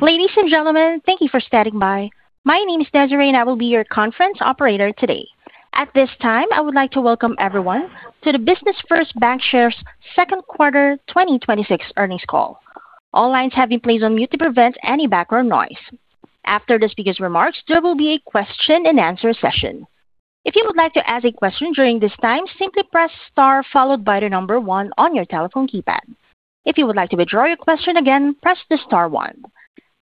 Ladies and gentlemen, thank you for standing by. My name is Desiree, and I will be your conference operator today. At this time, I would like to welcome everyone to the Business First Bancshares Second Quarter 2026 Earnings Call. All lines have been placed on mute to prevent any background noise. After the speaker's remarks, there will be a question-and-answer session. If you would like to ask a question during this time, simply press star followed by the number one on your telephone keypad. If you would like to withdraw your question again, press the star one.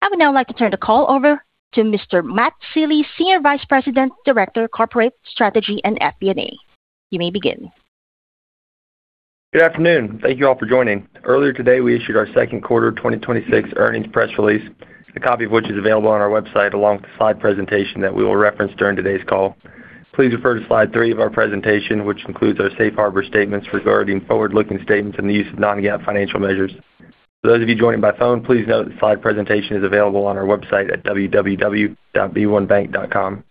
I would now like to turn the call over to Mr. Matt Sealy, Senior Vice President, Director of Corporate Strategy and FP&A. You may begin. Good afternoon. Thank you all for joining. Earlier today, we issued our second quarter 2026 earnings press release, a copy of which is available on our website along with the slide presentation that we will reference during today's call. Please refer to slide three of our presentation, which includes our safe harbor statements regarding forward-looking statements and the use of non-GAAP financial measures. For those of you joining by phone, please note the slide presentation is available on our website at www.b1bank.com.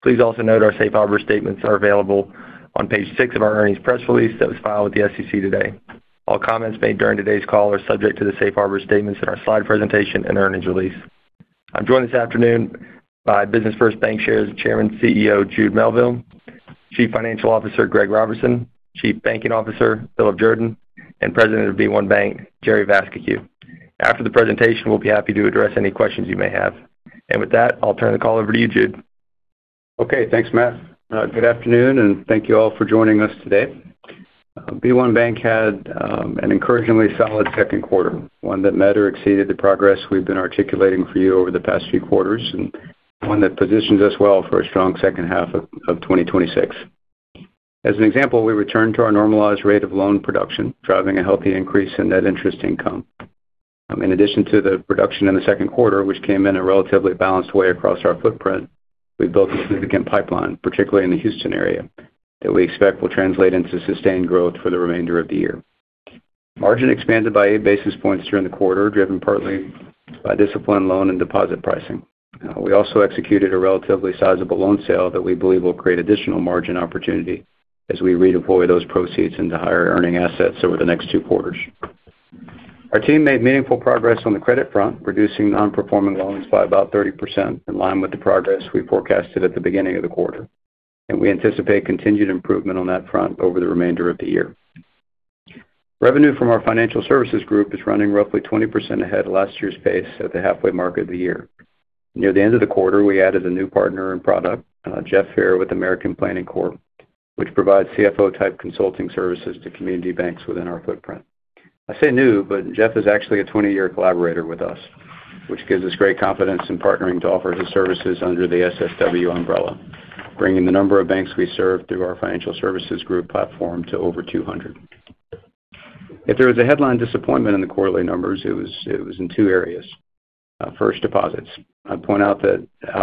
Please also note our safe harbor statements are available on page six of our earnings press release that was filed with the SEC today. All comments made during today's call are subject to the safe harbor statements in our slide presentation and earnings release. I'm joined this afternoon by Business First Bancshares Chairman, CEO, Jude Melville, Chief Financial Officer Greg Robertson, Chief Banking Officer Philip Jordan, and President of b1BANK, Jerry Vascocu. After the presentation, we'll be happy to address any questions you may have. With that, I'll turn the call over to you, Jude. Okay. Thanks, Matt. Good afternoon, thank you all for joining us today. b1BANK had an encouragingly solid second quarter, one that met or exceeded the progress we've been articulating for you over the past few quarters, and one that positions us well for a strong second half of 2026. As an example, we returned to our normalized rate of loan production, driving a healthy increase in net interest income. In addition to the production in the second quarter, which came in a relatively balanced way across our footprint, we built a significant pipeline, particularly in the Houston area, that we expect will translate into sustained growth for the remainder of the year. Margin expanded by eight basis points during the quarter, driven partly by disciplined loan and deposit pricing. We also executed a relatively sizable loan sale that we believe will create additional margin opportunity as we redeploy those proceeds into higher earning assets over the next two quarters. Our team made meaningful progress on the credit front, reducing Non-Performing Loans by about 30%, in line with the progress we forecasted at the beginning of the quarter. We anticipate continued improvement on that front over the remainder of the year. Revenue from our financial services group is running roughly 20% ahead of last year's pace at the halfway mark of the year. Near the end of the quarter, we added a new partner and product, Jeff Fair with American Planning Corp, which provides CFO-type consulting services to community banks within our footprint. I say new, but Jeff is actually a 20-year collaborator with us, which gives us great confidence in partnering to offer his services under the SSW umbrella, bringing the number of banks we serve through our financial services group platform to over 200. If there was a headline disappointment in the quarterly numbers, it was in two areas. First, deposits. I'd point out,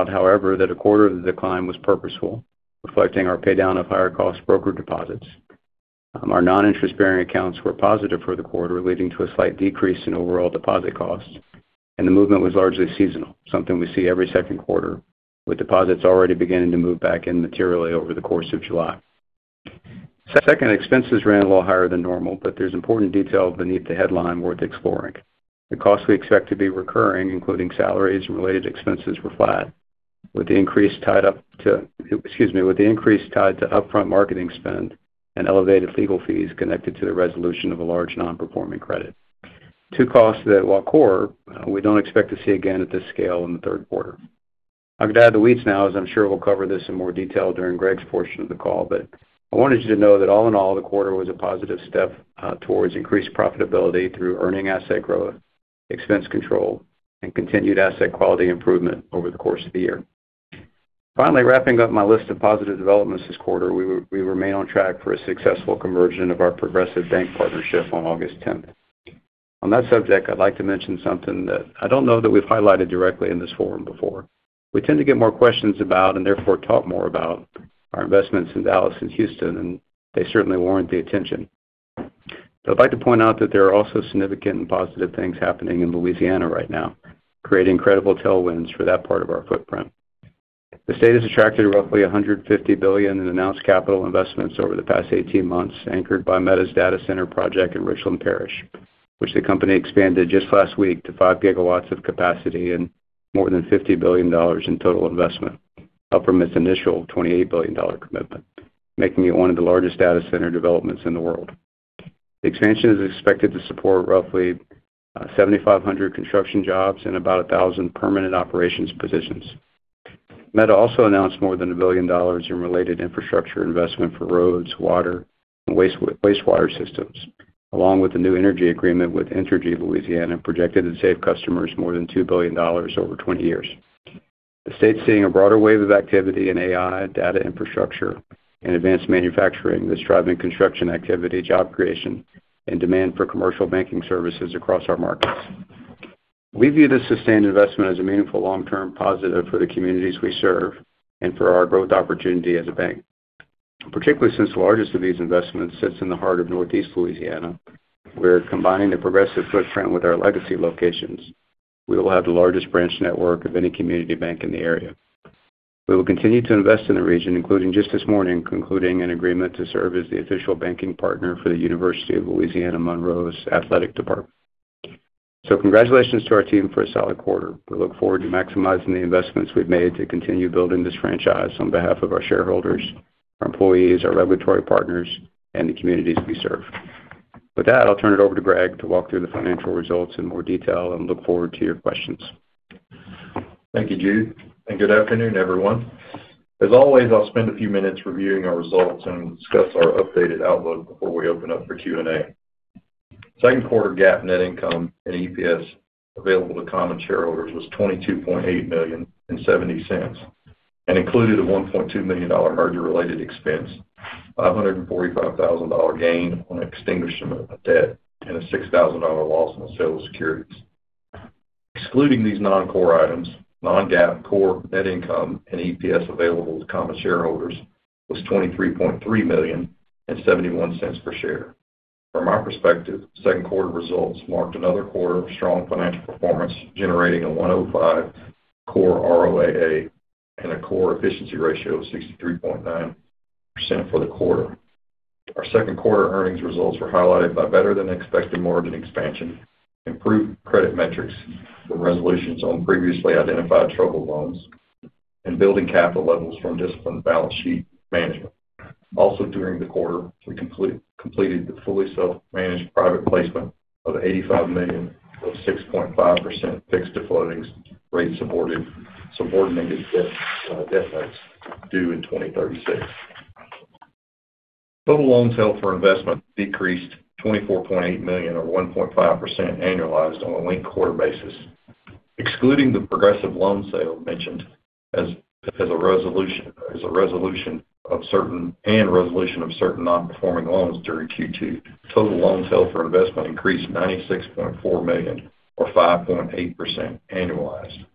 however, that a quarter of the decline was purposeful, reflecting our pay-down of higher cost broker deposits. Our non-interest-bearing accounts were positive for the quarter, leading to a slight decrease in overall deposit costs, and the movement was largely seasonal, something we see every second quarter, with deposits already beginning to move back in materially over the course of July. Second, expenses ran a little higher than normal, but there's important detail beneath the headline worth exploring. The cost we expect to be recurring, including salaries and related expenses, were flat, with the increase tied to upfront marketing spend and elevated legal fees connected to the resolution of a large non-performing credit. Two costs that while core, we don't expect to see again at this scale in the third quarter. I'll get out of the weeds now, as I'm sure we'll cover this in more detail during Greg's portion of the call, but I wanted you to know that all in all, the quarter was a positive step towards increased profitability through earning asset growth, expense control, and continued asset quality improvement over the course of the year. Finally, wrapping up my list of positive developments this quarter, we remain on track for a successful conversion of our Progressive Bank partnership on August 10th. On that subject, I'd like to mention something that I don't know that we've highlighted directly in this forum before. We tend to get more questions about, and therefore talk more about, our investments in Dallas and Houston, and they certainly warrant the attention. I'd like to point out that there are also significant and positive things happening in Louisiana right now, creating incredible tailwinds for that part of our footprint. The state has attracted roughly $150 billion in announced capital investments over the past 18 months, anchored by Meta's data center project in Richland Parish, which the company expanded just last week to 5 GW of capacity and more than $50 billion in total investment, up from its initial $28 billion commitment, making it one of the largest data center developments in the world. The expansion is expected to support roughly 7,500 construction jobs and about 1,000 permanent operations positions. Meta also announced more than $1 billion in related infrastructure investment for roads, water, and wastewater systems, along with a new energy agreement with Entergy Louisiana projected to save customers more than $2 billion over 20 years. The state's seeing a broader wave of activity in AI, data infrastructure, and advanced manufacturing that's driving construction activity, job creation, and demand for commercial banking services across our markets. We view this sustained investment as a meaningful long-term positive for the communities we serve and for our growth opportunity as a bank. Particularly since the largest of these investments sits in the heart of Northeast Louisiana. We're combining the Progressive footprint with our legacy locations. We will have the largest branch network of any community bank in the area. We will continue to invest in the region, including just this morning, concluding an agreement to serve as the official banking partner for the University of Louisiana Monroe's athletic department. Congratulations to our team for a solid quarter. We look forward to maximizing the investments we've made to continue building this franchise on behalf of our shareholders, our employees, our regulatory partners, and the communities we serve. With that, I'll turn it over to Greg to walk through the financial results in more detail, and look forward to your questions. Thank you, Jude. Good afternoon, everyone. As always, I'll spend a few minutes reviewing our results and discuss our updated outlook before we open up for Q&A. Second quarter GAAP net income and EPS available to common shareholders was $22.8 million and $0.70, and included a $1.2 million merger-related expense, a $545,000 gain on extinguishment of debt, and a $6,000 loss on sale of securities. Excluding these non-core items, non-GAAP, core net income, and EPS available to common shareholders was $23.3 million and $0.71 per share. From my perspective, second quarter results marked another quarter of strong financial performance, generating a 105 core ROAA and a core efficiency ratio of 63.9% for the quarter. Our second quarter earnings results were highlighted by better-than-expected mortgage expansion, improved credit metrics for resolutions on previously identified troubled loans, and building capital levels from disciplined balance sheet management. Also, during the quarter, we completed the fully self-managed private placement of $85 million of 6.5% fixed to floating rate supported subordinated debt notes due in 2036. Total loans held for investment decreased $24.8 million or 1.5% annualized on a linked-quarter basis. Excluding the Progressive loan sale mentioned and resolution of certain non-performing loans during Q2, total loans held for investment increased $96.4 million or 5.8% annualized.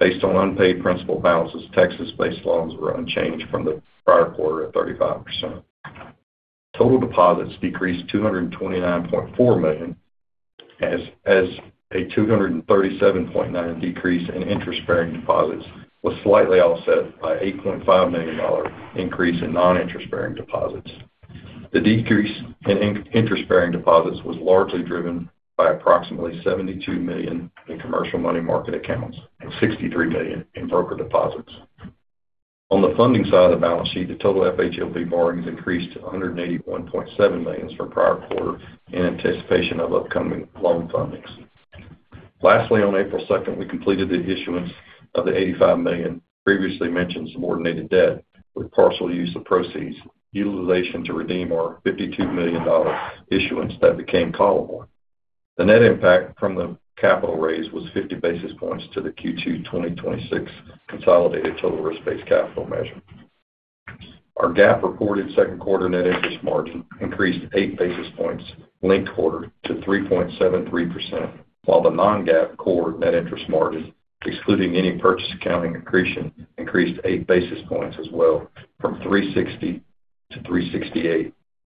Based on unpaid principal balances, Texas-based loans were unchanged from the prior quarter at 35%. Total deposits decreased to $229.4 million, as a $237.9 decrease in interest-bearing deposits was slightly offset by $8.5 million increase in non-interest-bearing deposits. The decrease in interest-bearing deposits was largely driven by approximately $72 million in commercial money market accounts and $63 million in broker deposits. On the funding side of the balance sheet, the total FHLB borrowings increased to $181.7 million from prior quarter in anticipation of upcoming loan fundings. Lastly, on April 2nd, we completed the issuance of the $85 million previously mentioned subordinated debt with partial use of proceeds, utilization to redeem our $52 million issuance that became callable. The net impact from the capital raise was 50 basis points to the Q2 2026 consolidated total risk-based capital measure. Our GAAP reported second quarter net interest margin increased eight basis points linked quarter to 3.73%, while the non-GAAP core net interest margin, excluding any purchase accounting accretion, increased eight basis points as well from 3.60%-3.68%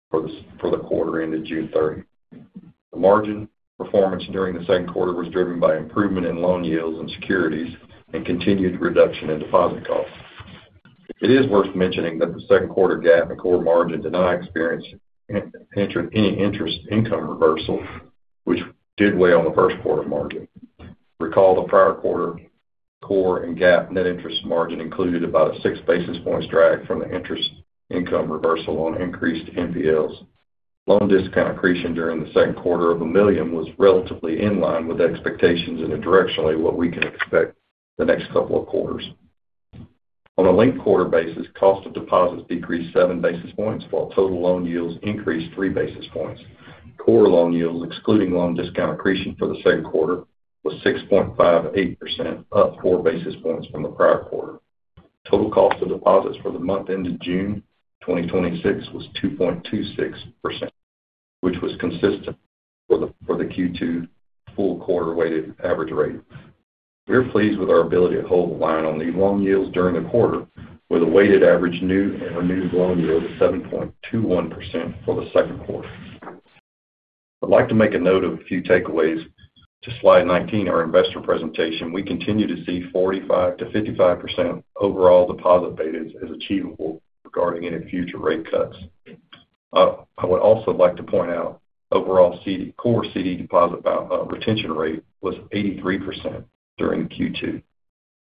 for the quarter ended June 30. The margin performance during the second quarter was driven by improvement in loan yields and securities and continued reduction in deposit costs. It is worth mentioning that the second quarter GAAP and core margin did not experience any interest income reversal, which did weigh on the first quarter margin. Recall the prior quarter core and GAAP net interest margin included about a six basis points drag from the interest income reversal on increased NPLs. Loan discount accretion during the second quarter of a million was relatively in line with expectations and directionally what we can expect the next couple of quarters. On a linked quarter basis, cost of deposits decreased seven basis points while total loan yields increased three basis points. Core loan yields, excluding loan discount accretion for the second quarter, was 6.58%, up four basis points from the prior quarter. Total cost of deposits for the month ended June 2026 was 2.26%, which was consistent for the Q2 full quarter weighted average rate. We are pleased with our ability to hold the line on these loan yields during the quarter with a weighted average new and renewed loan yield of 7.21% for the second quarter. I'd like to make a note of a few takeaways to slide 19, our investor presentation. We continue to see 45%-55% overall deposit betas as achievable regarding any future rate cuts. I would also like to point out overall core CD deposit retention rate was 83% during Q2.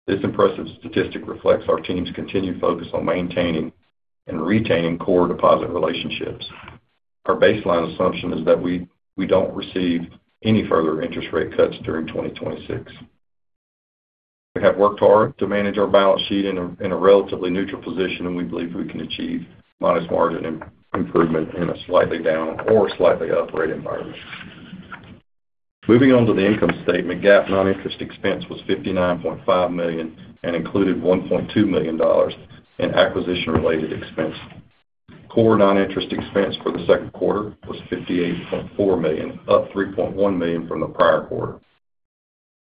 This impressive statistic reflects our team's continued focus on maintaining and retaining core deposit relationships. Our baseline assumption is that we don't receive any further interest rate cuts during 2026. We have worked hard to manage our balance sheet in a relatively neutral position, and we believe we can achieve modest margin improvement in a slightly down or slightly up rate environment. Moving on to the income statement, GAAP non-interest expense was $59.5 million and included $1.2 million in acquisition-related expenses. Core non-interest expense for the second quarter was $58.4 million, up $3.1 million from the prior quarter.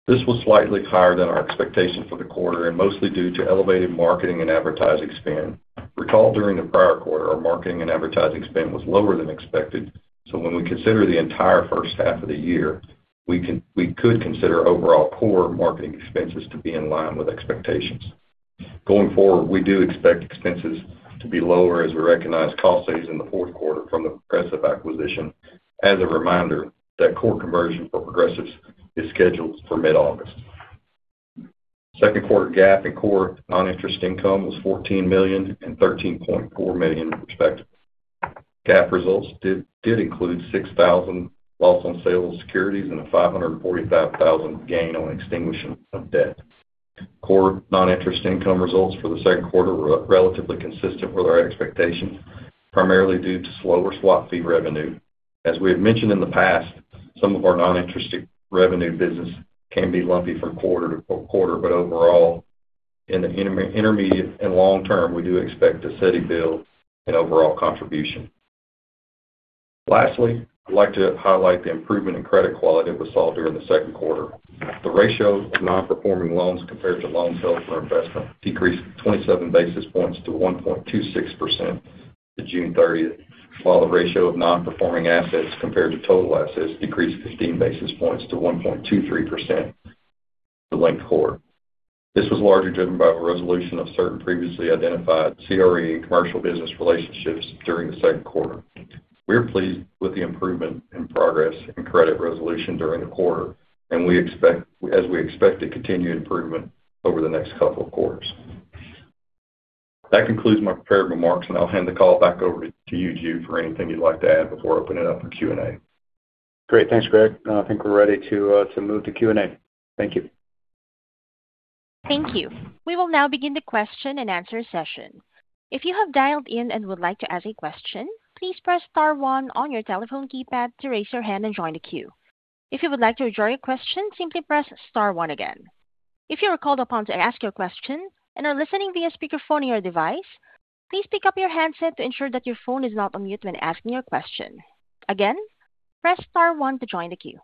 This was slightly higher than our expectation for the quarter and mostly due to elevated marketing and advertising spend. Recall during the prior quarter, our marketing and advertising spend was lower than expected. When we consider the entire first half of the year, we could consider overall core marketing expenses to be in line with expectations. Going forward, we do expect expenses to be lower as we recognize cost saves in the fourth quarter from the Progressive acquisition. As a reminder, that core conversion for Progressive is scheduled for mid-August. Second quarter GAAP and core non-interest income was $14 million and $13.4 million respectively. GAAP results did include $6,000 loss on sale of securities and a $545,000 gain on extinguishment of debt. Core non-interest income results for the second quarter were relatively consistent with our expectations, primarily due to slower swap fee revenue. As we have mentioned in the past, some of our non-interest revenue business can be lumpy from quarter to quarter, but overall, in the intermediate and long-term, we do expect to steady build an overall contribution. Lastly, I'd like to highlight the improvement in credit quality that we saw during the second quarter. The ratio of non-performing loans compared to loans held for investment decreased 27 basis points to 1.26% to June 30th. While the ratio of non-performing assets compared to total assets decreased 15 basis points to 1.23% for linked core. This was largely driven by the resolution of certain previously identified CRE commercial business relationships during the second quarter. We are pleased with the improvement and progress in credit resolution during the quarter, as we expect to continue improvement over the next couple of quarters. That concludes my prepared remarks, and I'll hand the call back over to you, Jude, for anything you'd like to add before I open it up for Q&A. Great. Thanks, Greg. I think we're ready to move to Q&A. Thank you. Thank you. We will now begin the question-and-answer session. If you have dialed in and would like to ask a question, please press star one on your telephone keypad to raise your hand and join the queue. If you would like to withdraw your question, simply press star one again. If you are called upon to ask your question and are listening via speakerphone or your device, please pick up your handset to ensure that your phone is not on mute when asking your question. Again, press star one to join the queue.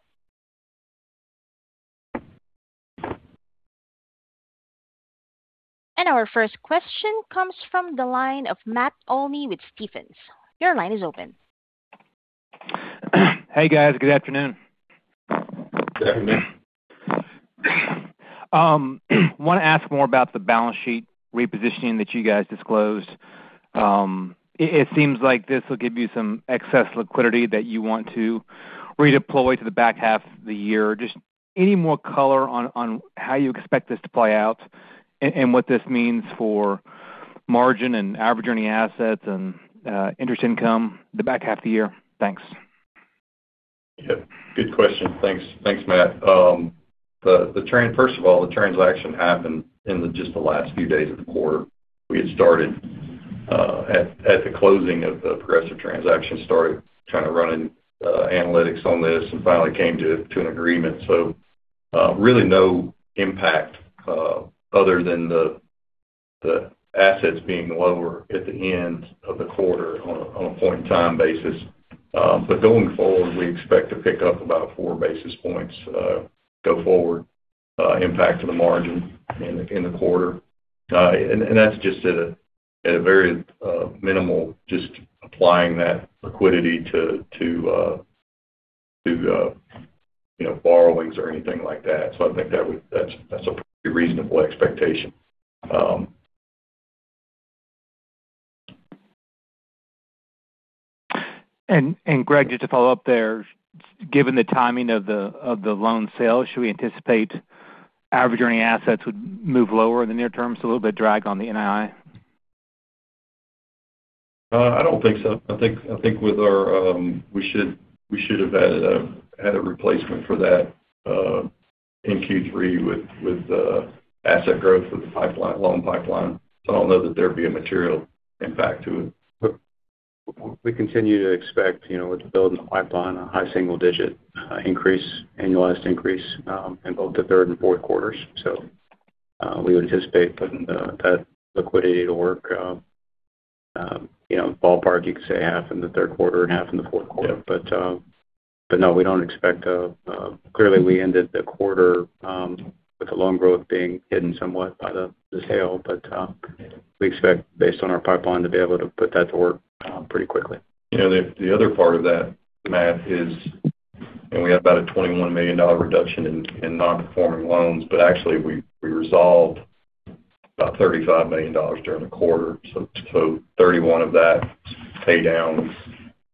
Our first question comes from the line of Matt Olney with Stephens. Your line is open. Hey, guys. Good afternoon. Good afternoon. I want to ask more about the balance sheet repositioning that you guys disclosed. It seems like this will give you some excess liquidity that you want to redeploy to the back half of the year. Just any more color on how you expect this to play out and what this means for margin and average earning assets and interest income the back half of the year? Thanks. Yeah, good question. Thanks, Matt. First of all, the transaction happened in just the last few days of the quarter. Really no impact other than the assets being lower at the end of the quarter on a point-in-time basis. We had started at the closing of the Progressive transaction, started kind of running analytics on this and finally came to an agreement. Going forward, we expect to pick up about four basis points go forward impact to the margin in the quarter. That's just at a very minimal, just applying that liquidity to borrowings or anything like that. I think that's a pretty reasonable expectation. Greg, just to follow up there, given the timing of the loan sale, should we anticipate average earning assets would move lower in the near-term, so a little bit of drag on the NII? I don't think so. I think we should have had a replacement for that in Q3 with asset growth with the loan pipeline. I don't know that there'd be a material impact to it. We continue to expect, with the build in the pipeline, a high single-digit annualized increase in both the third and fourth quarters. We would anticipate putting that liquidity to work, ballpark, you could say half in the third quarter and half in the fourth quarter. Yeah. No, we don't expect Clearly, we ended the quarter with the loan growth being hidden somewhat by the sale. We expect based on our pipeline, to be able to put that to work pretty quickly. The other part of that, Matt, is we have about a $21 million reduction in non-performing loans. Actually, we resolved about $35 million during the quarter. $31 of that paydowns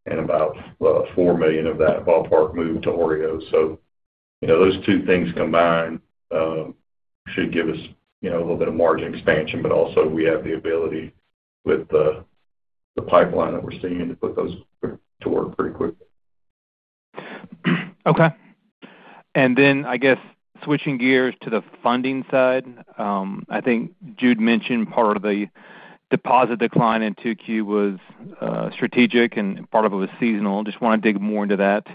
and about $4 million of that ballpark moved to OREO. Those two things combined should give us a little bit of margin expansion, but also we have the ability with the pipeline that we're seeing to put those to work pretty quickly. Okay. I guess, switching gears to the funding side. I think Jude mentioned part of the deposit decline in 2Q was strategic and part of it was seasonal. Just want to dig more into that.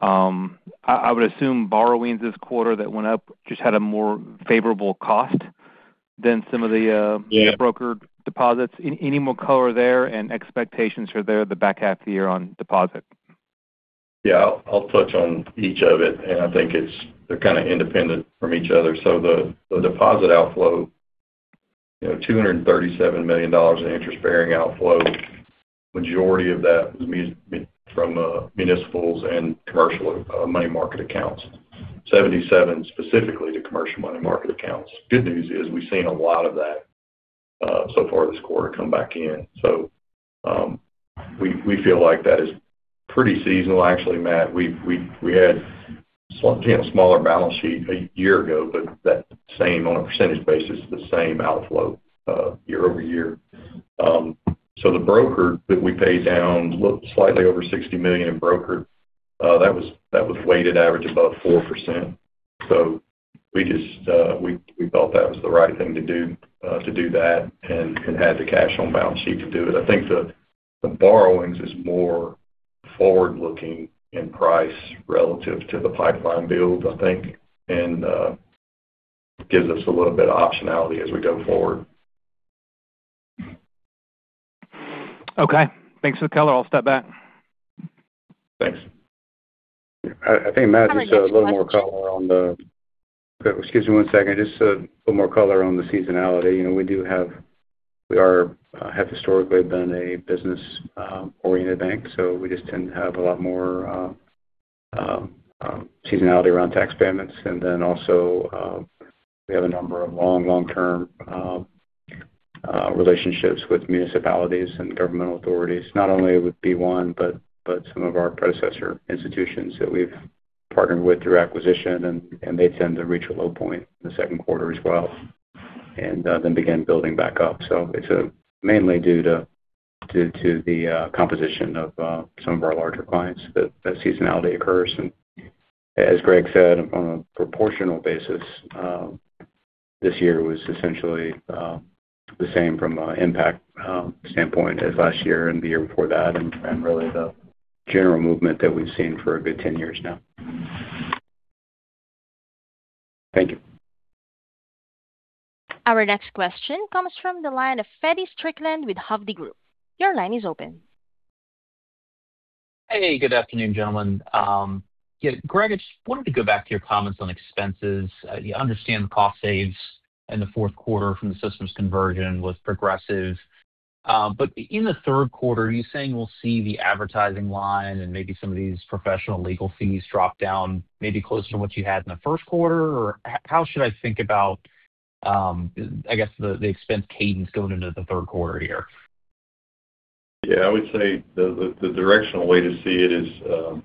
I would assume borrowings this quarter that went up just had a more favorable cost than some of the- Yeah brokered deposits. Any more color there and expectations for the back half of the year on deposit? Yeah. I'll touch on each of it, I think they're kind of independent from each other. The deposit outflow, $237 million in interest-bearing outflows. Majority of that was from municipals and commercial money market accounts, $77 specifically to commercial money market accounts. Good news is we've seen a lot of that so far this quarter come back in. We feel like that is pretty seasonal actually, Matt. We had a smaller balance sheet a year ago, but that same on a percentage basis, the same outflow year-over-year. The broker that we paid down looked slightly over $60 million in broker. That was weighted average above 4%. We felt that was the right thing to do that and had the cash on balance sheet to do it. I think the borrowings is more forward-looking in price relative to the pipeline build, I think, and gives us a little bit of optionality as we go forward. Okay. Thanks for the color. I'll step back. Thanks. I think, Matt, just a little more color on the Excuse me one second. Just a little more color on the seasonality. We just tend to have a lot more seasonality around tax payments. Also, we have a number of long, long-term relationships with municipalities and governmental authorities, not only with b1BANK, but some of our predecessor institutions that we've partnered with through acquisition. They tend to reach a low point in the second quarter as well and then begin building back up. It's mainly due to the composition of some of our larger clients that seasonality occurs. As Greg said, on a proportional basis, this year was essentially the same from an impact standpoint as last year and the year before that and really the general movement that we've seen for a good 10 years now. Thank you. Our next question comes from the line of Feddie Strickland with Hovde Group. Your line is open. Hey, good afternoon, gentlemen. Greg, I just wanted to go back to your comments on expenses. You understand the cost saves in the fourth quarter from the systems conversion was Progressive. In the third quarter, are you saying we'll see the advertising line and maybe some of these professional legal fees drop down, maybe closer to what you had in the first quarter? Or how should I think about, I guess, the expense cadence going into the third quarter here? Yeah, I would say the directional way to see it is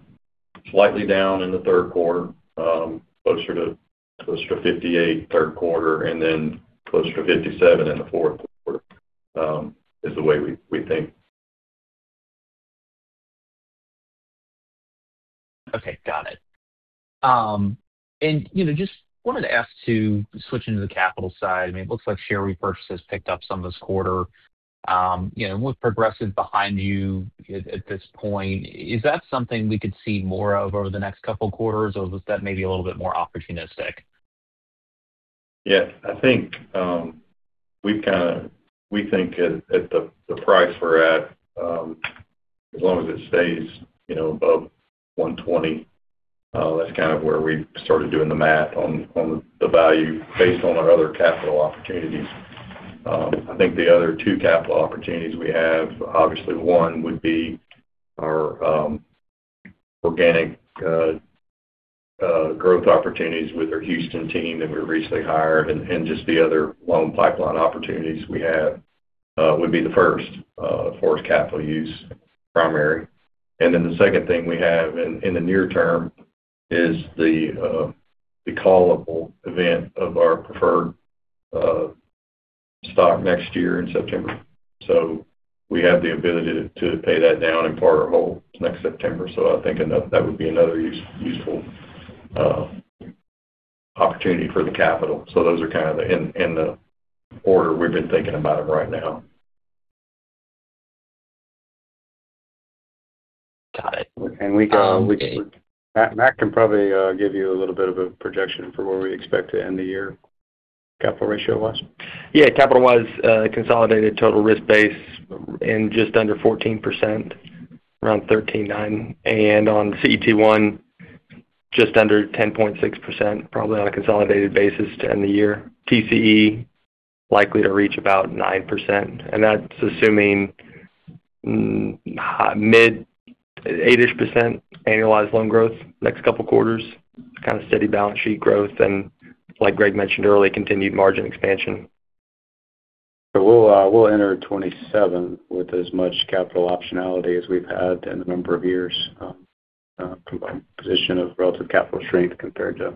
slightly down in the third quarter, closer to 58 third quarter, closer to 57 in the fourth quarter, is the way we think. Okay, got it. Just wanted to ask to switch into the capital side. I mean, it looks like share repurchases picked up some this quarter. With Progressive behind you at this point, is that something we could see more of over the next couple quarters, or was that maybe a little bit more opportunistic? Yeah, I think we think at the price we're at, as long as it stays above $120, that's kind of where we started doing the math on the value based on our other capital opportunities. I think the other two capital opportunities we have, obviously one would be our organic growth opportunities with our Houston team that we recently hired, and just the other loan pipeline opportunities we have would be the first, as far as capital use primary. The second thing we have in the near-term is the callable event of our preferred stock next year in September. We have the ability to pay that down in part or whole next September. I think that would be another useful opportunity for the capital. Those are kind of in the order we've been thinking about them right now. Got it. Matt can probably give you a little bit of a projection for where we expect to end the year capital ratio-wise. Yeah. Capital-wise, consolidated total risk base in just under 14%, around 13.9%. On CET1, just under 10.6% probably on a consolidated basis to end the year. TCE likely to reach about 9%, and that's assuming mid eight-ish percent annualized loan growth next couple quarters, kind of steady balance sheet growth and like Greg Robertson mentioned early, continued margin expansion. We'll enter 2027 with as much capital optionality as we've had in a number of years from a position of relative capital strength compared to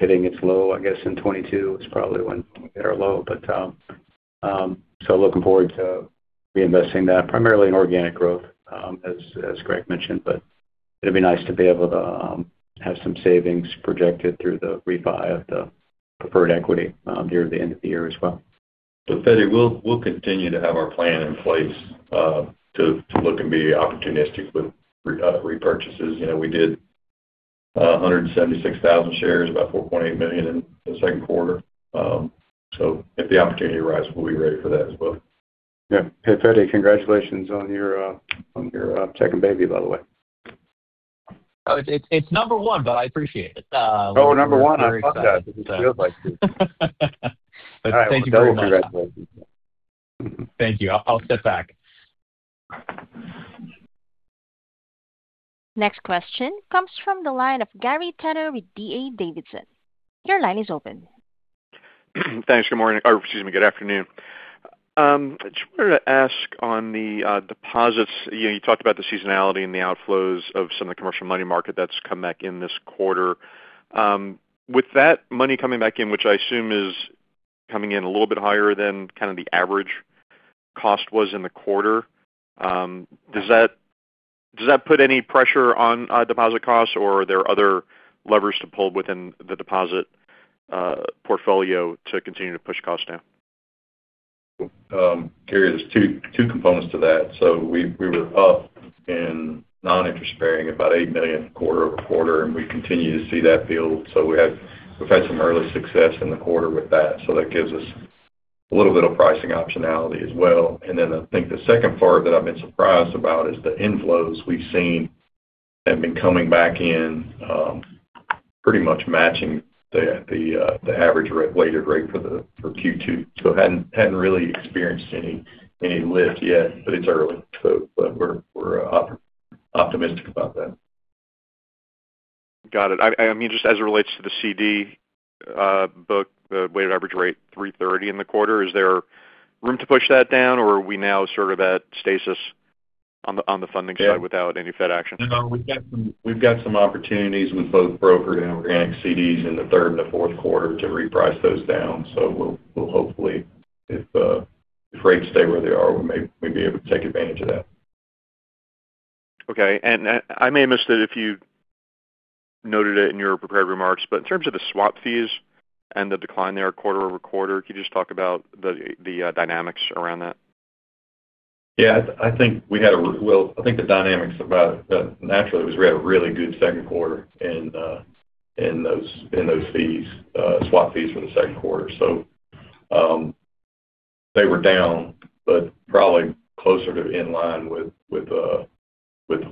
hitting its low, I guess, in 2022 is probably when we hit our low. Looking forward to reinvesting that primarily in organic growth, as Greg Robertson mentioned, but it'll be nice to be able to have some savings projected through the refi of the preferred equity near the end of the year as well. Feddie, we'll continue to have our plan in place to look and be opportunistic with repurchases. We did 176,000 shares, about $4.8 million in the second quarter. If the opportunity arises, we'll be ready for that as well. Yeah. Hey, Feddie, congratulations on your second baby, by the way. Oh, it's number one, but I appreciate it. Oh, number one. Well, fuck that. It feels like two. Thank you very much. All right, double congratulations. Thank you. I'll step back. Next question comes from the line of Gary Tenner with D.A. Davidson. Your line is open. Thanks. Good morning. Excuse me, good afternoon. Just wanted to ask on the deposits, you talked about the seasonality and the outflows of some of the commercial money market that's come back in this quarter. With that money coming back in, which I assume is coming in a little bit higher than kind of the average cost was in the quarter, does that put any pressure on deposit costs? Or are there other levers to pull within the deposit portfolio to continue to push costs down? Gary, there's two components to that. We were up in non-interest bearing about $8 million quarter-over-quarter, and we continue to see that build. We've had some early success in the quarter with that. That gives us a little bit of pricing optionality as well. Then I think the second part that I've been surprised about is the inflows we've seen have been coming back in pretty much matching the average weighted rate for Q2. Hadn't really experienced any lift yet, but it's early. We're optimistic about that. Got it. Just as it relates to the CD book, the weighted average rate 330 in the quarter, is there room to push that down? Or are we now sort of at stasis on the funding side without any Fed action? No, we've got some opportunities with both broker and organic CDs in the third and the fourth quarter to reprice those down. We'll hopefully, if rates stay where they are, we may be able to take advantage of that. Okay. I may have missed it if you noted it in your prepared remarks, but in terms of the swap fees and the decline there quarter-over-quarter, could you just talk about the dynamics around that? Yeah. I think the dynamics about that naturally was we had a really good second quarter in those swap fees for the second quarter. They were down, but probably closer to inline with the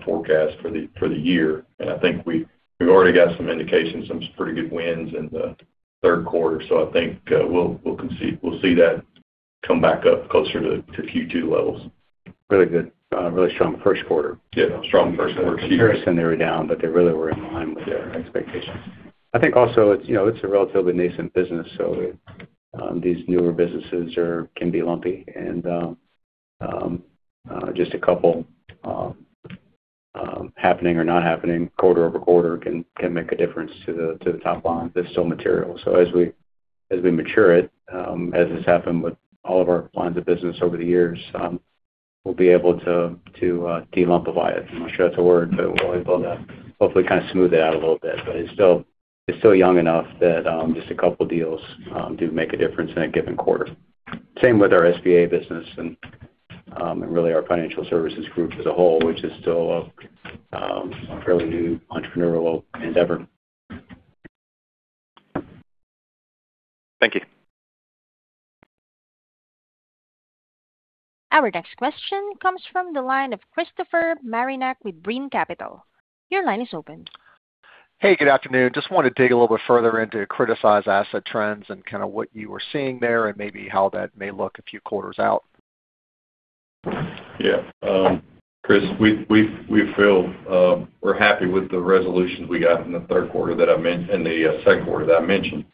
forecast for the year. I think we've already got some indications, some pretty good wins in the third quarter. I think we'll see that come back up closer to Q2 levels. Really good. Really strong first quarter. Yeah, strong first quarter. In comparison, they were down, but they really were in line with our expectations. I think also, it's a relatively nascent business, these newer businesses can be lumpy. Just a couple happening or not happening quarter-over-quarter can make a difference to the top line that's still material. As we mature it, as has happened with all of our lines of business over the years, we'll be able to de-lumpy it. I'm not sure that's a word, but we'll hopefully kind of smooth it out a little bit. It's still young enough that just a couple deals do make a difference in a given quarter. Same with our SBA business and really our financial services group as a whole, which is still a fairly new entrepreneurial endeavor. Thank you. Our next question comes from the line of Christopher Marinac with Green Capital. Your line is open. Hey, good afternoon. Wanted to dig a little bit further into criticized asset trends and kind of what you were seeing there and maybe how that may look a few quarters out. Yeah. Chris, we're happy with the resolutions we got in the second quarter that I mentioned.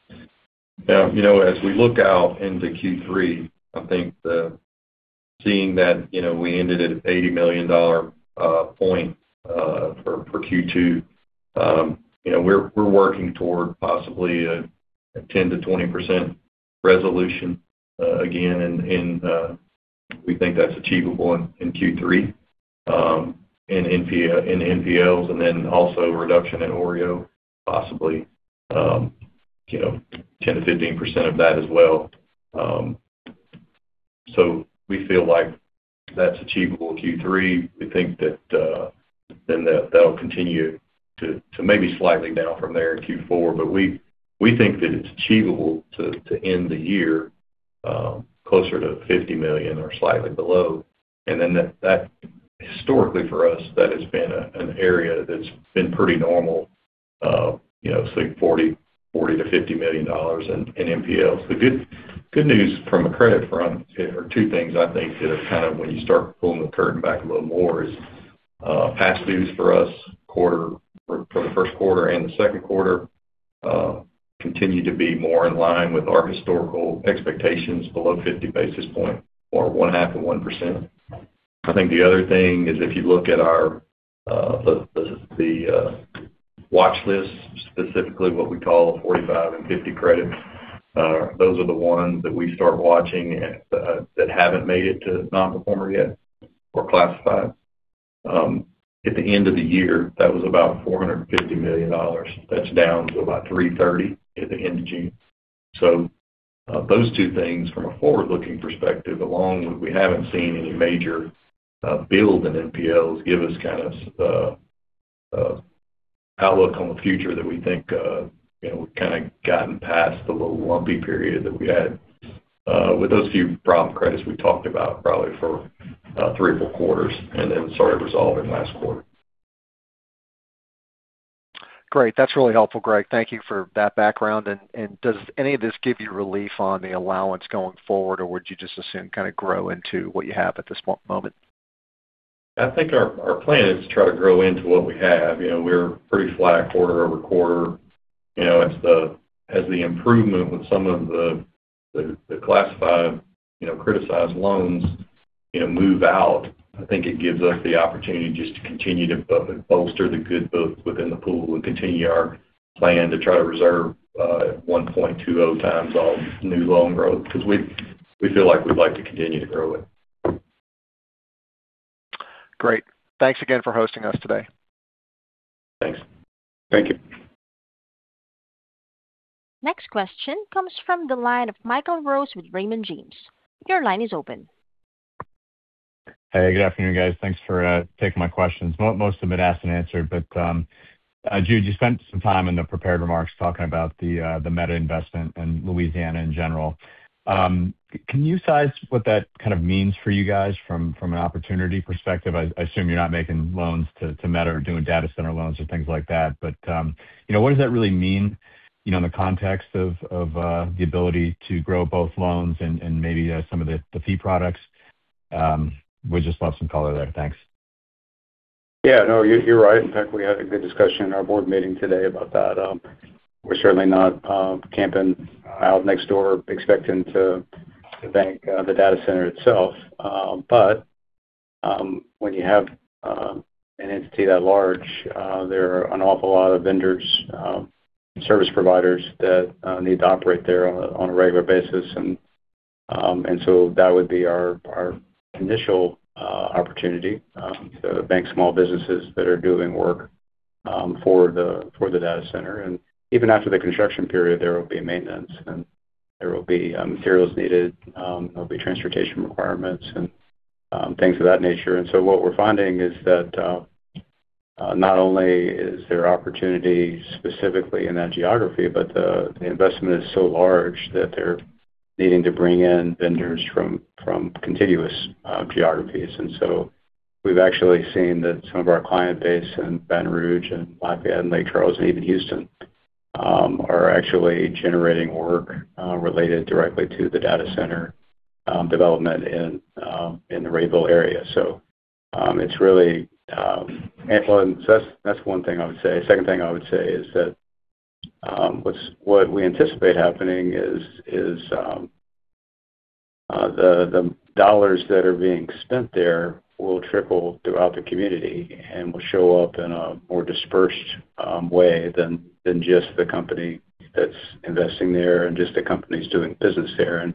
As we look out into Q3, I think seeing that we ended at $80 million point for Q2, we're working toward possibly a 10%-20% resolution again, and we think that's achievable in Q3 in NPLs, and also reduction in OREO, possibly 10%-15% of that as well. We feel like that's achievable in Q3. We think that'll continue to maybe slightly down from there in Q4. We think that it's achievable to end the year closer to $50 million or slightly below. Historically for us, that has been an area that's been pretty normal, so $40 million-$50 million in NPLs. The good news from a credit front are two things, I think, that have kind of when you start pulling the curtain back a little more is past dues for us for the first quarter and the second quarter continue to be more in line with our historical expectations below 50 basis point or one half of 1%. I think the other thing is if you look at the watch list, specifically what we call 45 and 50 credits, those are the ones that we start watching that haven't made it to non-performer yet or classified. At the end of the year, that was about $450 million. That's down to about $330 million at the end of June. Those two things from a forward-looking perspective, along with we haven't seen any major build in NPLs, give us kind of outlook on the future that we think we've kind of gotten past the little lumpy period that we had with those few problem credits we talked about probably for three or four quarters, and then started resolving last quarter. Great. That's really helpful, Greg. Thank you for that background. Does any of this give you relief on the allowance going forward, or would you just assume kind of grow into what you have at this moment? I think our plan is to try to grow into what we have. We're pretty flat quarter-over-quarter. As the improvement with some of the classified, criticized loans move out, I think it gives us the opportunity just to continue to bolster the good books within the pool and continue our plan to try to reserve 1.20x all new loan growth, because we feel like we'd like to continue to grow it. Great. Thanks again for hosting us today. Thanks. Thank you. Next question comes from the line of Michael Rose with Raymond James. Your line is open. Hey, good afternoon, guys. Thanks for taking my questions. Most of them have been asked and answered. Jude, you spent some time in the prepared remarks talking about the Meta investment in Louisiana in general. Can you size what that kind of means for you guys from an opportunity perspective? I assume you're not making loans to Meta or doing data center loans or things like that. What does that really mean in the context of the ability to grow both loans and maybe some of the fee products? Would just love some color there. Thanks. Yeah, no, you're right. In fact, we had a good discussion in our board meeting today about that. We're certainly not camping out next door expecting to bank the data center itself. When you have an entity that large, there are an awful lot of vendors, service providers that need to operate there on a regular basis. That would be our initial opportunity to bank small businesses that are doing work for the data center. Even after the construction period, there will be maintenance, there will be materials needed. There'll be transportation requirements and things of that nature. What we're finding is that not only is there opportunity specifically in that geography, but the investment is so large that they're needing to bring in vendors from contiguous geographies. We've actually seen that some of our client base in Baton Rouge and Lafayette and Lake Charles and even Houston are actually generating work related directly to the data center development in the Rayville area. That's one thing I would say. Second thing I would say is that what we anticipate happening is the dollars that are being spent there will trickle throughout the community and will show up in a more dispersed way than just the company that's investing there and just the companies doing business there.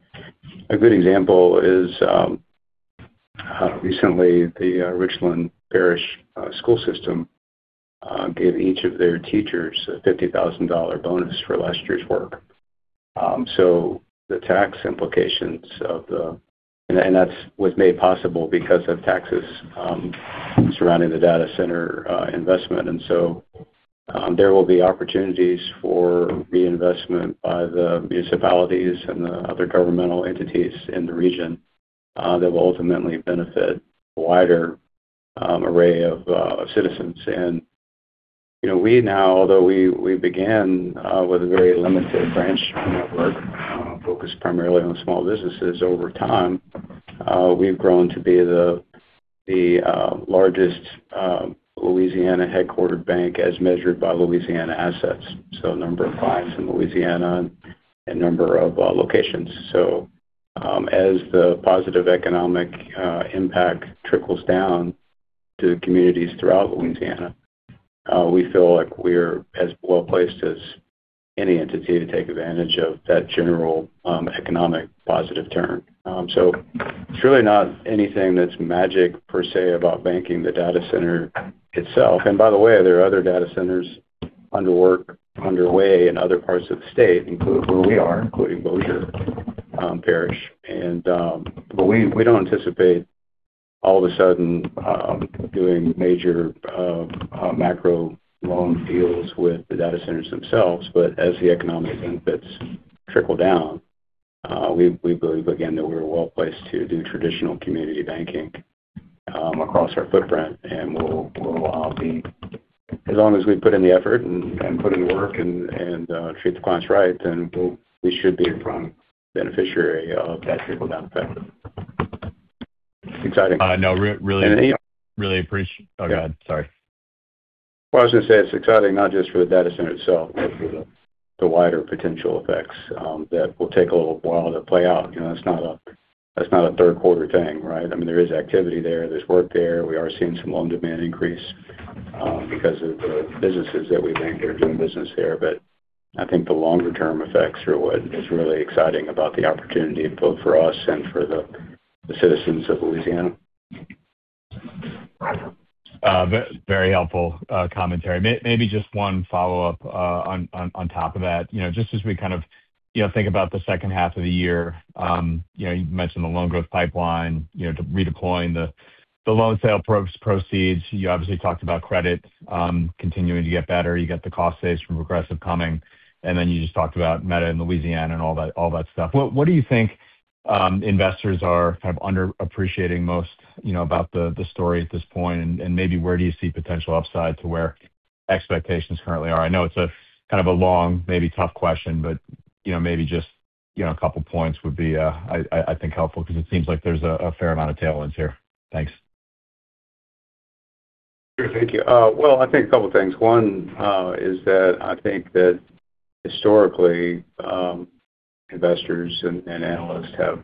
A good example is recently, the Richland Parish School Board gave each of their teachers a $50,000 bonus for last year's work. The tax implications of that was made possible because of taxes surrounding the data center investment. There will be opportunities for reinvestment by the municipalities and the other governmental entities in the region that will ultimately benefit a wider array of citizens. We now, although we began with a very limited branch network focused primarily on small businesses, over time, we've grown to be the largest Louisiana-headquartered bank as measured by Louisiana assets. Number five in Louisiana in number of locations. As the positive economic impact trickles down to the communities throughout Louisiana, we feel like we're as well-placed as any entity to take advantage of that general economic positive turn. It's really not anything that's magic per se about banking the data center itself. By the way, there are other data centers underway in other parts of the state, including where we are, including Bossier Parish. We don't anticipate all of a sudden doing major macro loan deals with the data centers themselves. As the economic benefits trickle down, we believe again, that we're well-placed to do traditional community banking across our footprint. As long as we put in the effort and put in the work and treat the clients right, then we should be a prime beneficiary of that trickle-down effect. Exciting. Oh, go ahead, sorry. I was going to say it's exciting not just for the data center itself, but for the wider potential effects that will take a little while to play out. That's not a third quarter thing, right? I mean, there is activity there. There's work there. We are seeing some loan demand increase because of the businesses that we bank that are doing business there. I think the longer-term effects are what is really exciting about the opportunity, both for us and for the citizens of Louisiana. Very helpful commentary. Maybe just one follow-up on top of that. As we think about the second half of the year, you mentioned the loan growth pipeline, redeploying the loan sale proceeds. You obviously talked about credit continuing to get better. You got the cost saves from Progressive coming, and then you just talked about Meta in Louisiana and all that stuff. What do you think investors are under-appreciating most about the story at this point, and maybe where do you see potential upside to where expectations currently are? I know it's a long, maybe tough question, but maybe just a couple of points would be, I think, helpful because it seems like there's a fair amount of tailwinds here. Thanks. Sure, thank you. I think a couple things. One is that I think that historically, investors and analysts have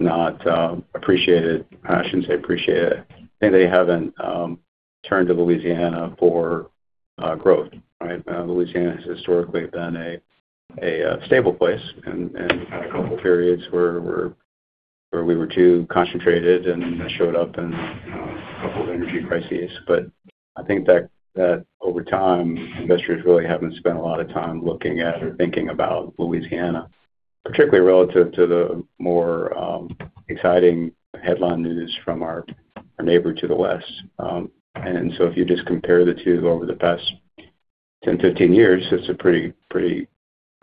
not appreciated. I shouldn't say appreciated. I think they haven't turned to Louisiana for growth, right? Louisiana has historically been a stable place and had a couple of periods where we were too concentrated and showed up in a couple of energy crises. I think that over time, investors really haven't spent a lot of time looking at or thinking about Louisiana, particularly relative to the more exciting headline news from our neighbor to the west. If you just compare the two over the past 10, 15 years, it's pretty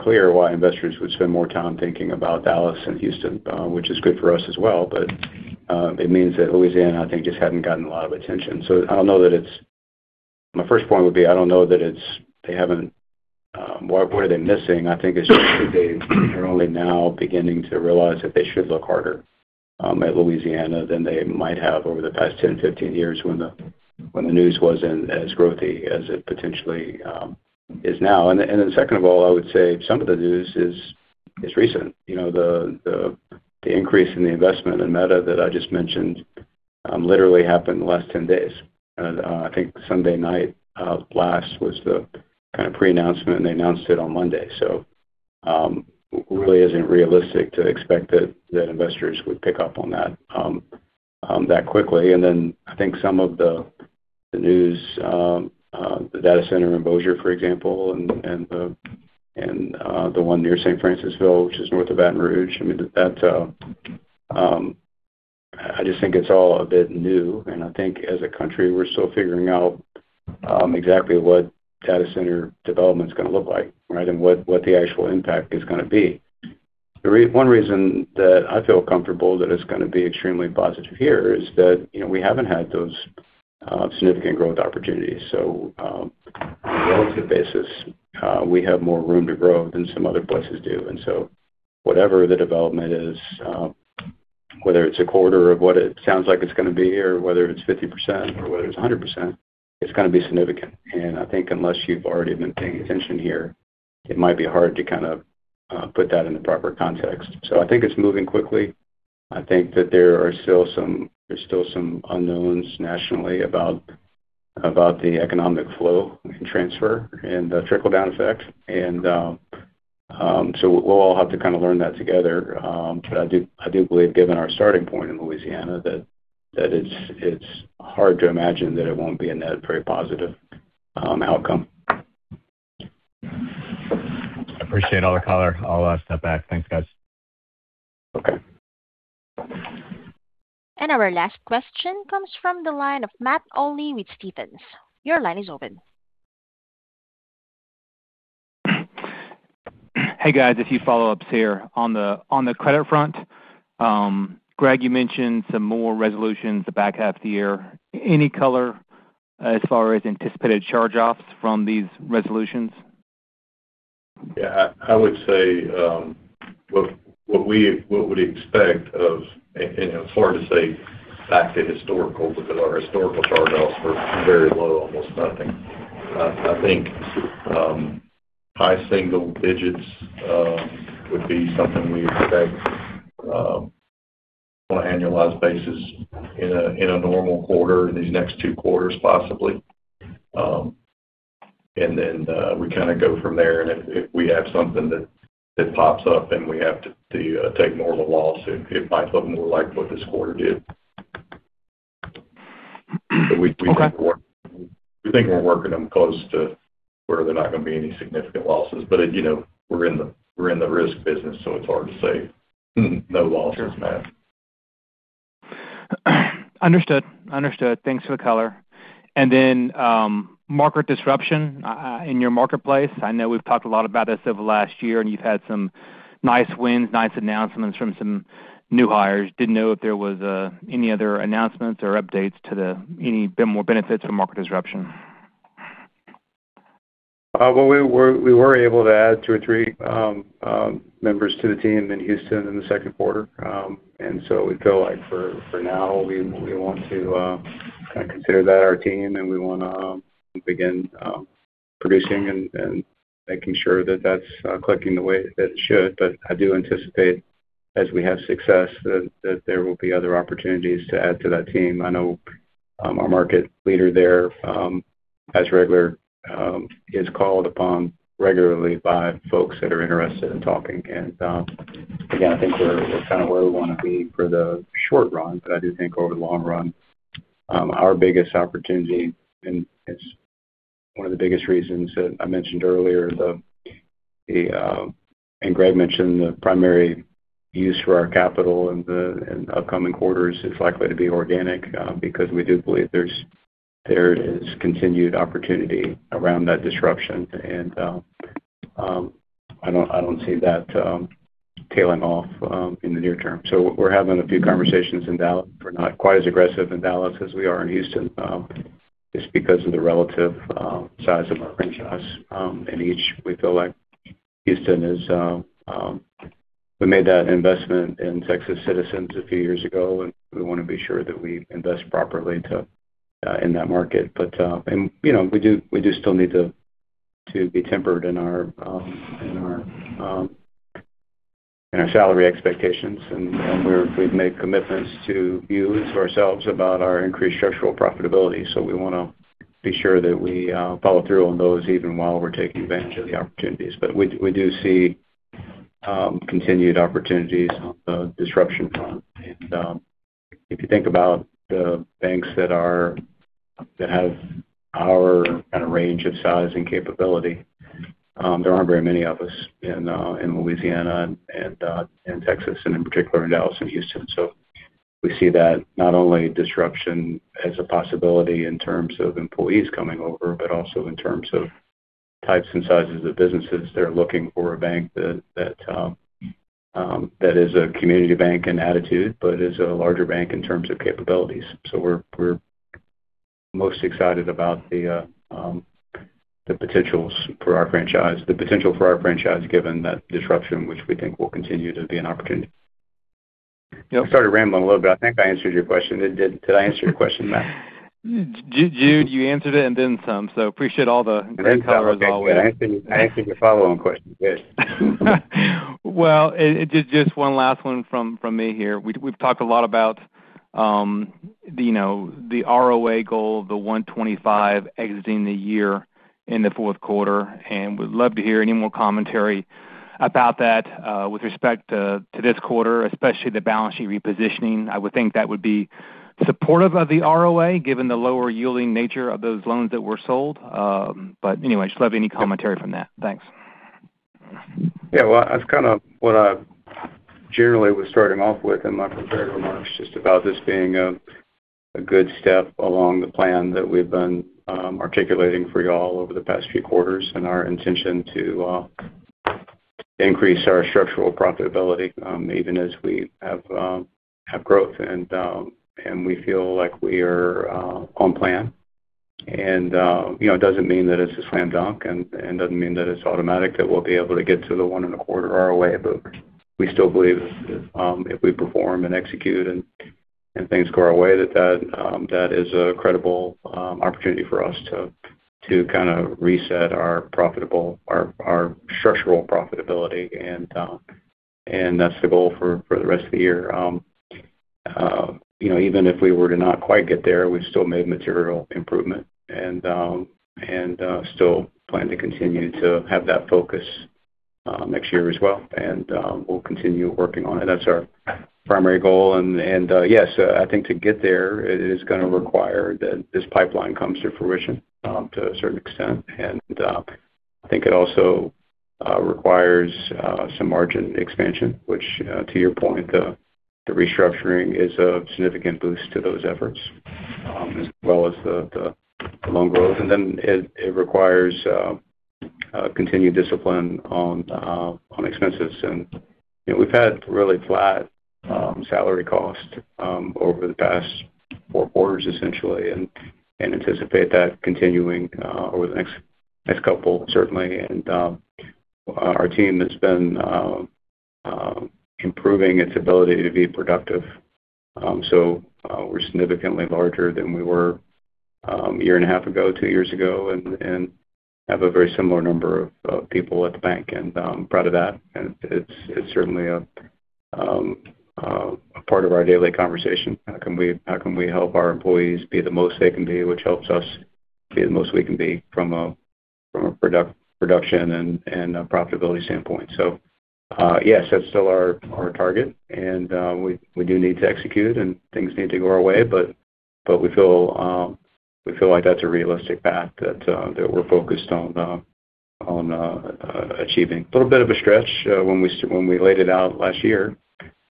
clear why investors would spend more time thinking about Dallas and Houston, which is good for us as well. It means that Louisiana, I think, just hadn't gotten a lot of attention. My first point would be, I don't know that it's what are they missing? I think it's just that they're only now beginning to realize that they should look harder at Louisiana than they might have over the past 10, 15 years when the news wasn't as growthy as it potentially is now. Second of all, I would say some of the news is recent. The increase in the investment in Meta that I just mentioned literally happened in the last 10 days. I think Sunday night last was the pre-announcement, and they announced it on Monday. It really isn't realistic to expect that investors would pick up on that quickly. I think some of the news, the data center in Bossier, for example, and the one near St. Francisville, which is north of Baton Rouge, I just think it's all a bit new, and I think as a country, we're still figuring out exactly what data center development is going to look like, right? What the actual impact is going to be. One reason that I feel comfortable that it's going to be extremely positive here is that we haven't had those significant growth opportunities. On a relative basis, we have more room to grow than some other places do. Whatever the development is, whether it's a quarter of what it sounds like it's going to be, or whether it's 50%, or whether it's 100%, it's going to be significant. I think unless you've already been paying attention here, it might be hard to put that in the proper context. I think it's moving quickly. I think that there are still some unknowns nationally about the economic flow and transfer and the trickle-down effect. We'll all have to kind of learn that together. I do believe, given our starting point in Louisiana, that it's hard to imagine that it won't be a net very positive outcome. I appreciate all the color. I'll step back. Thanks, guys. Okay. Our last question comes from the line of Matt Olney with Stephens. Your line is open. Hey, guys. A few follow-ups here. On the credit front, Greg, you mentioned some more resolutions the back half of the year. Any color as far as anticipated charge-offs from these resolutions? I would say what we would expect. It's hard to say back to historical because our historical charge-offs were very low, almost nothing. I think high single digits would be something we expect on an annualized basis in a normal quarter in these next two quarters, possibly. Then we kind of go from there. If we have something that pops up and we have to take more of a loss, it might look more like what this quarter did. Okay. We think we're working them close to where they're not going to be any significant losses. We're in the risk business, it's hard to say no losses, Matt. Understood. Thanks for the color. Then market disruption in your marketplace. I know we've talked a lot about this over the last year, you've had some nice wins, nice announcements from some new hires. Didn't know if there was any other announcements or updates to any more benefits of market disruption. We were able to add two or three members to the team in Houston in the second quarter. We feel like for now, we want to kind of consider that our team, and we want to begin producing and making sure that that's clicking the way that it should. I do anticipate, as we have success, that there will be other opportunities to add to that team. I know our market leader there As regular, is called upon regularly by folks that are interested in talking. Again, I think we're kind of where we want to be for the short run. I do think over the long run, our biggest opportunity, and it's one of the biggest reasons that I mentioned earlier, Greg mentioned the primary use for our capital in the upcoming quarters is likely to be organic because we do believe there is continued opportunity around that disruption. I don't see that tailing off in the near-term. We're having a few conversations in Dallas. We're not quite as aggressive in Dallas as we are in Houston just because of the relative size of our franchise in each. We feel like Houston. We made that investment in Texas Citizens a few years ago, and we want to be sure that we invest properly in that market. We do still need to be tempered in our salary expectations. We've made commitments to you and to ourselves about our increased structural profitability. We want to be sure that we follow through on those even while we're taking advantage of the opportunities. We do see continued opportunities on the disruption front. If you think about the banks that have our kind of range of size and capability, there aren't very many of us in Louisiana and in Texas, and in particular in Dallas and Houston. We see that not only disruption as a possibility in terms of employees coming over, but also in terms of types and sizes of businesses that are looking for a bank that is a community bank in attitude but is a larger bank in terms of capabilities. We're most excited about the potentials for our franchise, given that disruption, which we think will continue to be an opportunity. Yep. I started rambling a little bit. I think I answered your question. Did I answer your question, Matt? You answered it and then some. Appreciate all the great color as always. Okay, good. I answered your follow-on question too. Well, just one last one from me here. We've talked a lot about the ROA goal, the 125 exiting the year in the fourth quarter, and would love to hear any more commentary about that with respect to this quarter, especially the balance sheet repositioning. I would think that would be supportive of the ROA given the lower yielding nature of those loans that were sold. Anyway, just love any commentary from that. Thanks. Yeah. Well, that's kind of what I generally was starting off with in my prepared remarks, just about this being a good step along the plan that we've been articulating for you all over the past few quarters and our intention to increase our structural profitability even as we have growth. We feel like we are on plan. It doesn't mean that it's a slam dunk, it doesn't mean that it's automatic that we'll be able to get to the 125 ROA, we still believe if we perform and execute and things go our way, that is a credible opportunity for us to kind of reset our structural profitability. That's the goal for the rest of the year. Even if we were to not quite get there, we've still made material improvement and still plan to continue to have that focus next year as well. We'll continue working on it. That's our primary goal. Yes, I think to get there, it is going to require that this pipeline comes to fruition to a certain extent. I think it also requires some margin expansion, which to your point, the restructuring is a significant boost to those efforts as well as the loan growth. It requires continued discipline on expenses. We've had really flat salary cost over the past four quarters essentially, and anticipate that continuing over the next couple certainly. Our team has been improving its ability to be productive. We're significantly larger than we were a year and a half ago, two years ago, and have a very similar number of people at the bank. I'm proud of that. It's certainly a part of our daily conversation. How can we help our employees be the most they can be, which helps us be the most we can be from a production and a profitability standpoint. Yes, that's still our target, and we do need to execute, and things need to go our way, but we feel like that's a realistic path that we're focused on achieving. A little bit of a stretch when we laid it out last year,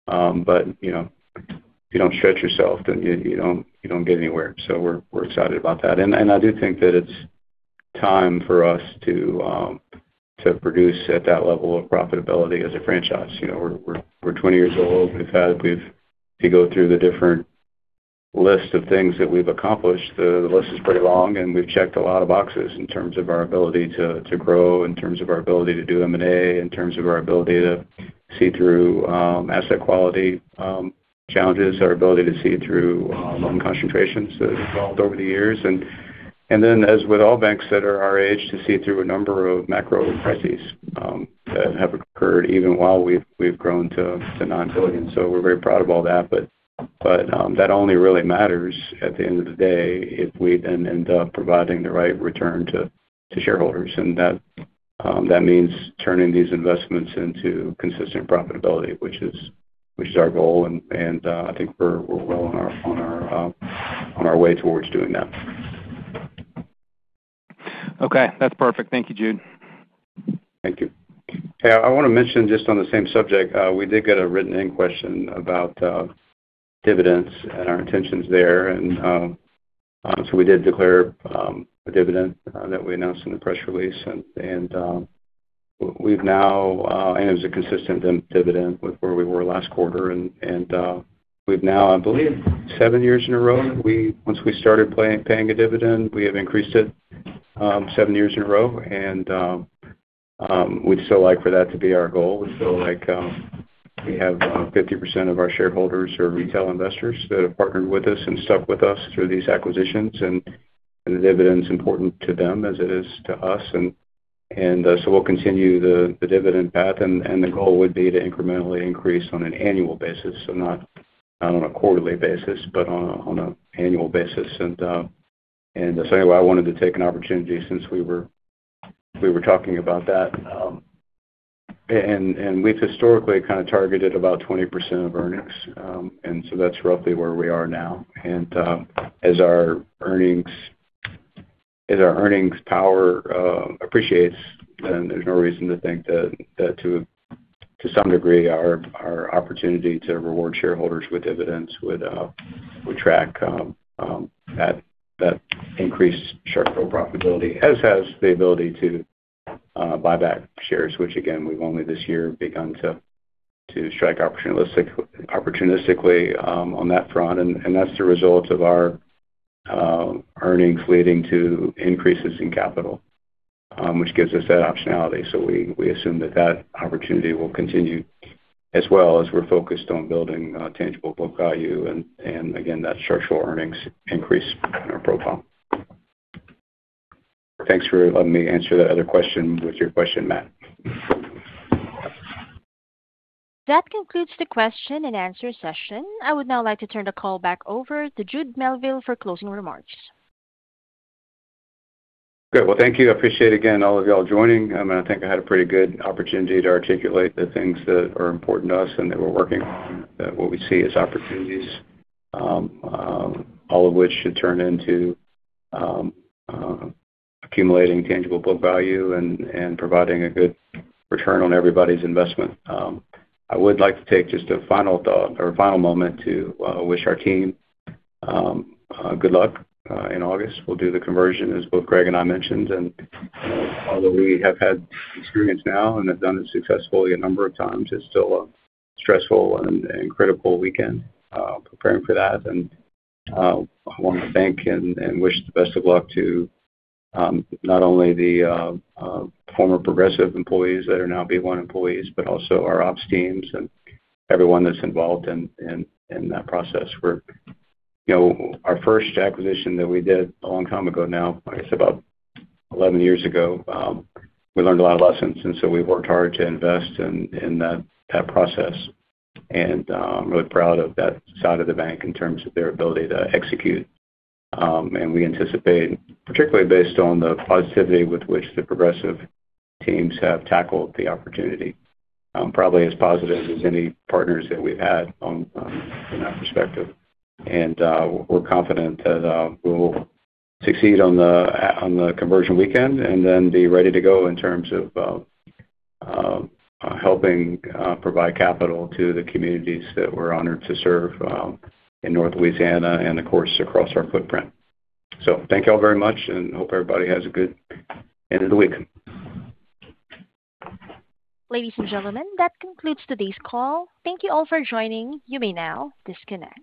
but if you don't stretch yourself, then you don't get anywhere. We're excited about that. I do think that it's time for us to produce at that level of profitability as a franchise. We're 20 years old. If you go through the different list of things that we've accomplished, the list is pretty long, and we've checked a lot of boxes in terms of our ability to grow, in terms of our ability to do M&A, in terms of our ability to see through asset quality challenges, our ability to see through loan concentrations that have evolved over the years. As with all banks that are our age, to see through a number of macro crises that have occurred even while we've grown to non-billion. We're very proud of all that, but that only really matters at the end of the day if we then end up providing the right return to shareholders, and that means turning these investments into consistent profitability, which is our goal. I think we're well on our way towards doing that. Okay, that's perfect. Thank you, Jude. Thank you. I want to mention, just on the same subject, we did get a written-in question about dividends and our intentions there. We did declare a dividend that we announced in the press release, and it was a consistent dividend with where we were last quarter. We've now, I believe, seven years in a row, once we started paying a dividend, we have increased it seven years in a row. We'd still like for that to be our goal. We feel like we have 50% of our shareholders who are retail investors that have partnered with us and stuck with us through these acquisitions, and the dividend's important to them as it is to us. We'll continue the dividend path, and the goal would be to incrementally increase on an annual basis. Not on a quarterly basis, but on an annual basis. Anyway, I wanted to take an opportunity since we were talking about that. We've historically kind of targeted about 20% of earnings. That's roughly where we are now. As our earnings power appreciates, then there's no reason to think that to some degree, our opportunity to reward shareholders with dividends would track that increased shareholder profitability, as has the ability to buy back shares. Which again, we've only this year begun to strike opportunistically on that front. That's the result of our earnings leading to increases in capital, which gives us that optionality. We assume that that opportunity will continue as well as we're focused on building tangible book value, and again, that structural earnings increase in our profile. Thanks for letting me answer that other question with your question, Matt. That concludes the question-and-answer session. I would now like to turn the call back over to Jude Melville for closing remarks. Great. Well, thank you. I appreciate, again, all of y'all joining. I think I had a pretty good opportunity to articulate the things that are important to us and that we're working on, that what we see as opportunities, all of which should turn into accumulating tangible book value and providing a good return on everybody's investment. I would like to take just a final thought or a final moment to wish our team good luck. In August, we'll do the conversion, as both Greg Robertson and I mentioned. Although we have had experience now and have done it successfully a number of times, it's still a stressful and critical weekend preparing for that. I want to thank and wish the best of luck to not only the former Progressive employees that are now b1 employees, but also our ops teams and everyone that's involved in that process. Our first acquisition that we did a long time ago now, I guess about 11 years ago, we learned a lot of lessons. We've worked hard to invest in that process. I'm really proud of that side of the bank in terms of their ability to execute. We anticipate, particularly based on the positivity with which the Progressive teams have tackled the opportunity, probably as positive as any partners that we've had from that perspective. We're confident that we will succeed on the conversion weekend. We will be ready to go in terms of helping provide capital to the communities that we're honored to serve in North Louisiana and, of course, across our footprint. Thank you all very much, and hope everybody has a good end of the week. Ladies and gentlemen, that concludes today's call. Thank you all for joining. You may now disconnect.